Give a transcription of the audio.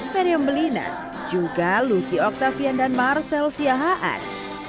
meriam belina juga lucky octavian dan marcel siahaan